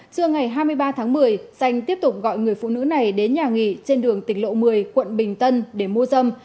trưa ngày hai mươi ba tháng một mươi xanh tiếp tục gọi người phụ nữ này đến nhà nghỉ trên đường tỉnh lộ một mươi quận bình tân để mua dâm